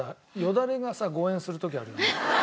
だれがさ誤嚥する時あるよね。